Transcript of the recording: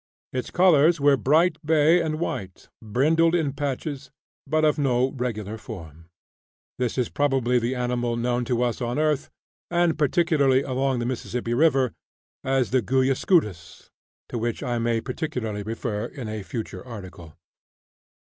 Its colors were bright bay and white, brindled in patches, but of no regular form." This is probably the animal known to us on earth, and particularly along the Mississippi River, as the "guyascutus," to which I may particularly refer in a future article.